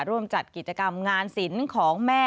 ร่วมจัดกิจกรรมงานศิลป์ของแม่